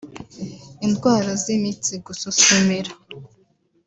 Indwara z’imitsi (gususumira